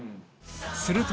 すると